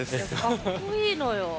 かっこいいのよ。